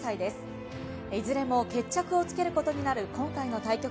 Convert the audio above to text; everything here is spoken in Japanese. いずれも決着をつける事になる今回の対局。